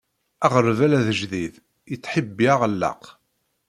Aɣerbal ajdid, yettḥibbi aɛellaq.